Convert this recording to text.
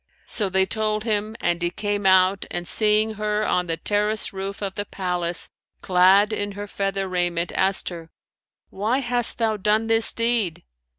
So they told him and he came out and, seeing her on the terrace roof of the palace, clad in her feather raiment, asked her, 'Why hast thou done this deed?'